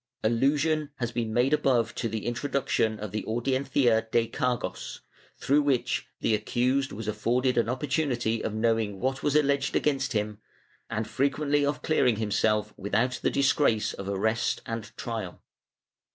Allusion has been made above to the intro duction of the audiencia de cargos, through which the accused was afforded an opportunity of knowing what was alleged against him, and frequently of clearing himself without the disgrace of arrest and trial.